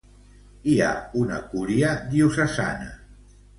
Hi ha una Cúria Diocesana.